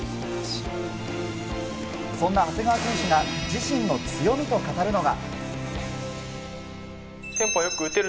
そんな長谷川選手が自身の強みと語るのが。